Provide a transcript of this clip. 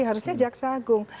harusnya jaksa agung